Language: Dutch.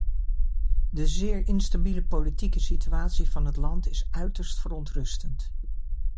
De zeer instabiele politieke situatie van het land is uiterst verontrustend.